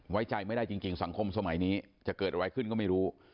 ไว้ใจไม่ได้จริงสังคมสมัยนี้จะเกิดอะไรขึ้นก็ไม่รู้